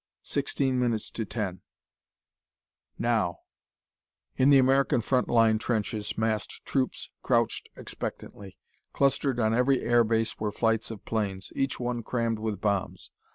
Sixteen minutes to ten. Now! In the American front line trenches, massed troops crouched expectantly. Clustered on every air base were flights of planes, each one crammed with bombs.